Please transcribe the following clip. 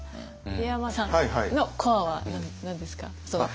入山さんのコアは何ですか？